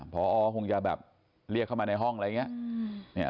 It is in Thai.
พอคงจะแบบเรียกเข้ามาในห้องอะไรอย่างนี้